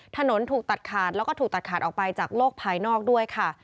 ถนนถูกตัดขาดแล้วก็ถูกตัดขาดออกไปจากโลกภายนอกด้วยค่ะ